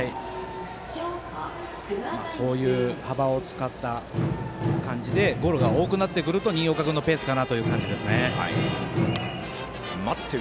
こういう幅を使った感じでゴロが多くなってくると新岡君のペースかなと思います。